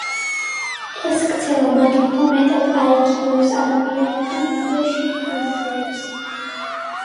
ეს ქცევა მათ უფრო მეტად აიგივებს ადამიანებთან ვიდრე შიმპანზეებს.